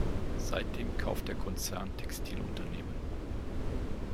Seitdem kauft der Konzern Textilunternehmen.